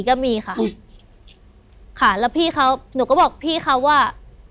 ก็มีค่ะค่ะแล้วพี่เขาหนูก็บอกพี่เขาว่า